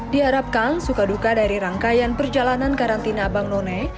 diarapkan suka duka dari rangkaian perjalanan karantina abangnone